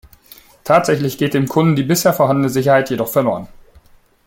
Tatsächlich geht dem Kunden die bisher vorhandene Sicherheit jedoch verloren.